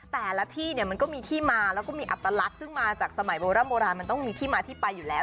แต่ละที่เนี่ยมันก็มีที่มาแล้วก็มีอัตลักษณ์ซึ่งมาจากสมัยโบร่ำโบราณมันต้องมีที่มาที่ไปอยู่แล้ว